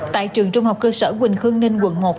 tại trường trung học cơ sở quỳnh khương ninh quận một tp hcm